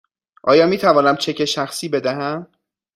آیا می توانم چک شخصی بدهم؟